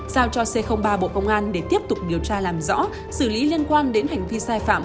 giao cho c ba bộ công an để tiếp tục điều tra làm rõ xử lý liên quan đến hành vi sai phạm